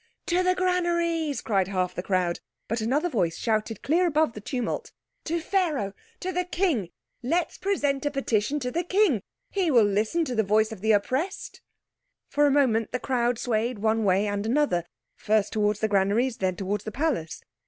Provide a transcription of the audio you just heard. "To the granaries!" cried half the crowd; but another voice shouted clear above the tumult, "To Pharaoh! To the King! Let's present a petition to the King! He will listen to the voice of the oppressed!" For a moment the crowd swayed one way and another—first towards the granaries and then towards the palace.